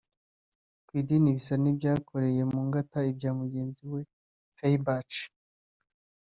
ku idini bisa n’ibyakoreye mu ngata ibya mugenzi we Feuerbach